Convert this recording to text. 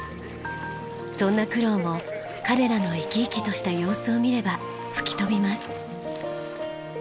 そんな苦労も彼らの生き生きとした様子を見れば吹き飛びます。